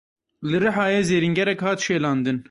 Li Rihayê zêrîngerek hat şelandin.